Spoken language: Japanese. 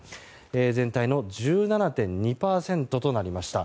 全体の１７．２％となりました。